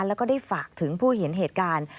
แล้วก็ได้ฝากถึงผู้เห็นเหตุการณ์